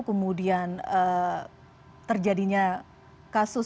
kemudian terjadinya kasus